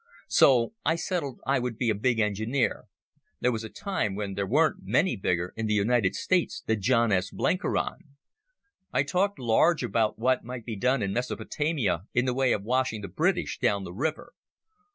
So I settled I would be a big engineer—there was a time when there weren't many bigger in the United States than John S. Blenkiron. I talked large about what might be done in Mesopotamia in the way of washing the British down the river.